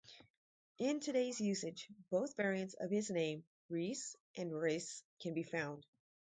In today's usage, both variants of his name, "Ries" and "Riese" can be found.